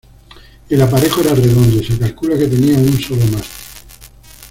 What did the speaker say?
El aparejo era redondo y se calcula que tenía un solo mástil.